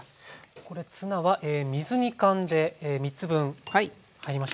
これツナは水煮缶で３つ分入りました。